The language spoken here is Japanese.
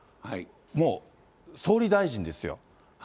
もう総理大臣ですよ。